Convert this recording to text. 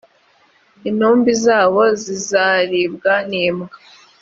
intumbi zabo zizaribwa nimbwa.